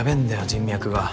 人脈が。